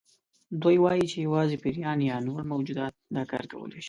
دوی وایي چې یوازې پیریان یا نور موجودات دا کار کولی شي.